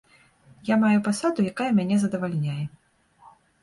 Я маю пасаду, якая мяне задавальняе.